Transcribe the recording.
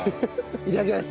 いただきます！